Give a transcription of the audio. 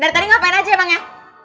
dari tadi ngapain aja emangnya